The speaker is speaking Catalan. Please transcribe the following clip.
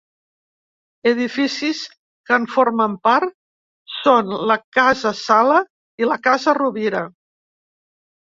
Edificis que en formen part són la Casa Sala i la Casa Rovira.